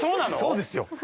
そうですよ。